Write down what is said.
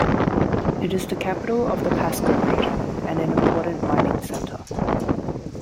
It is the capital of the Pasco region, and an important mining center.